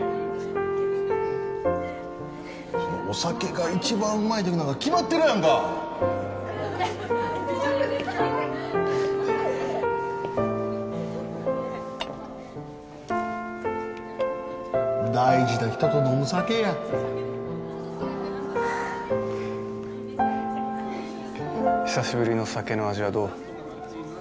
お酒が一番うまいときなんか決まってるやんか大事な人と飲む酒や久しぶりの酒の味はどう？